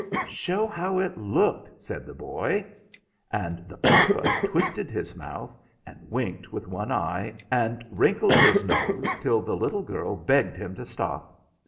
"Show how it looked," said the boy. And the papa twisted his mouth, and winked with one eye, and wrinkled his nose till the little girl begged him to stop.